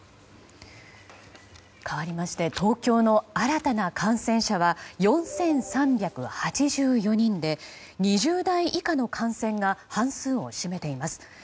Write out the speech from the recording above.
かわりまして東京の新たな感染者は４３８４人で２０代以下の感染が半数を占めています。